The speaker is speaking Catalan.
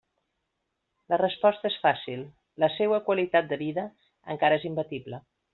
La resposta és fàcil, la seua qualitat de vida encara és imbatible.